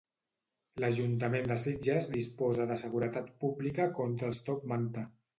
L'Ajuntament de Sitges disposa de seguretat pública contra el 'top manta'.